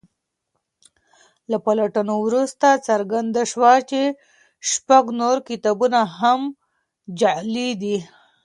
له پلټنو وروسته څرګنده شوه چې شپږ نور کتابونه هم جعلي دي.